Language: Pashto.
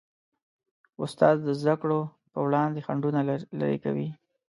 استاد د زدهکړو په وړاندې خنډونه لیرې کوي.